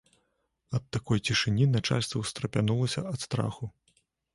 Ад такой цішыні начальства ўстрапянулася ад страху.